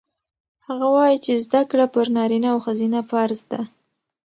هغه وایي چې زده کړه پر نارینه او ښځینه فرض ده.